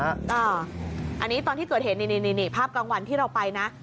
อันนี้ตอนที่เกิดเหตุนี่ภาพกลางวันที่เราไปนะ